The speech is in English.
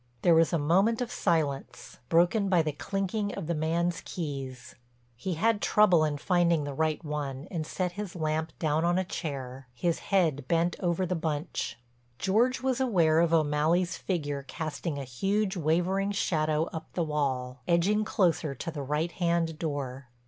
There was a moment of silence, broken by the clinking of the man's keys. He had trouble in finding the right one and set his lamp down on a chair, his head bent over the bunch. George was aware of O'Malley's figure casting a huge wavering shadow up the wall, edging closer to the right hand door.